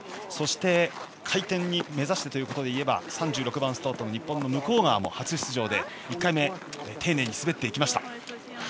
そして、回転を目指してということでいえば３６番スタートの日本の向川も初出場で１回目、丁寧に滑っていきました。